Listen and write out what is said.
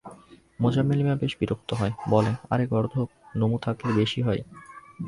মোজাম্মেল মিয়া বেশ বিরক্ত হয়, বলে, আরে গর্ধপ, নমু থাকলি বেশি হয়।